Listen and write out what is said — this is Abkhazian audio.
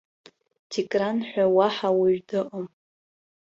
Дикран ҳәа уаҳа уаҩ дыҟам!